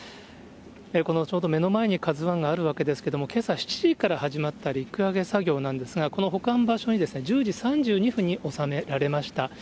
このちょうど目の前にＫＡＺＵＩがあるわけですけれども、けさ７時から始まった陸揚げ作業なんですが、この保管場所に、１０時３２分に収められました。